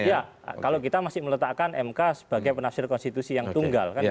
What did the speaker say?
iya kalau kita masih meletakkan mk sebagai penafsir konstitusi yang tunggal